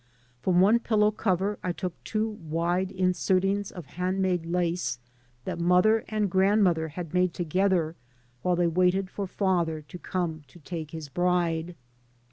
From one pillow cover I took two wide in sertings of hand made lace that mother and grandmother bad made together ^ile they waited for father to come to take hts bride.